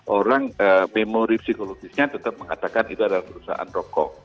orang memori psikologisnya tetap mengatakan itu adalah perusahaan rokok